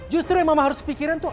justru yang mama harus pikiran tuh